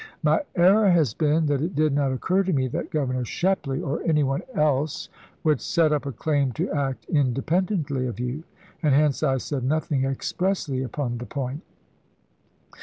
My error has been that it did not occur to me that Governor Shepley or any one else would set up a claim to act independently of you ; and hence I said nothing expressly upon the point.